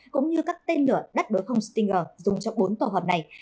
cũng như các tên lửa đắt đối phòng stinger dùng cho bốn tổ hợp này